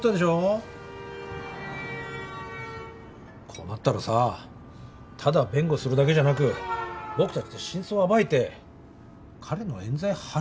こうなったらさただ弁護するだけじゃなく僕たちで真相を暴いて彼の冤罪晴らしてあげようよ。